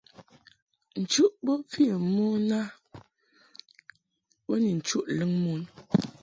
Nchuʼ bo vi mon a bo ni nchuʼ lɨŋti mɨ.